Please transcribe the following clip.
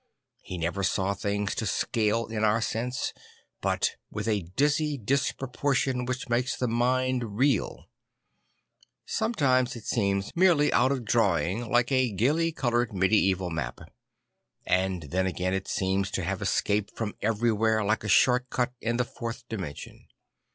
He never saw things to scale in our sense, but with a dizzy disproportion which makes the mind reel. Some times it seems merely out of drawing like a gaily coloured medieval map; and then again it seems to have escaped from everything like a short cut in the fourth dimension.